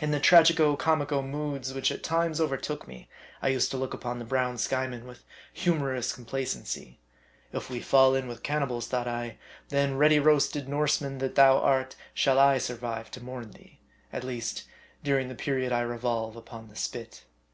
In the tragico comico moods which at times overtook me, I used to look upon the brown Skyeman with humorous complacency. If we fall in with cannibals, thought I, then, ready roasted Norseman that thou art, shall I survive to mourn thee ; at least, during the period I revolve upon the spit.